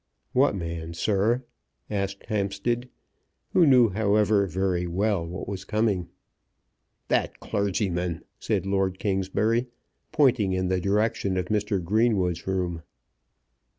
"What man, sir?" asked Hampstead, who knew, however, very well what was coming. "That clergyman," said Lord Kingsbury, pointing in the direction of Mr. Greenwood's room.